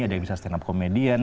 ada yang bisa stand up comedian